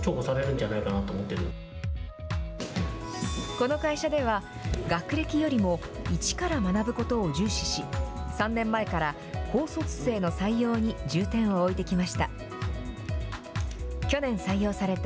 この会社では、学歴よりも一から学ぶことを重視し、３年前から高卒生の採用に重点を置いてきました。